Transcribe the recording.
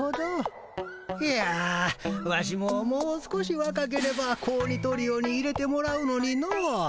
いやワシももう少しわかければ子鬼トリオに入れてもらうのにのう。